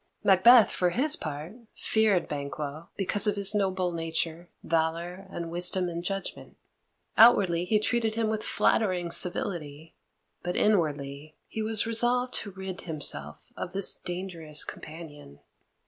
Macbeth, for his part, feared Banquo, because of his noble nature, valour, and wisdom in judgment. Outwardly he treated him with flattering civility, but inwardly he was resolved to rid himself of this dangerous companion.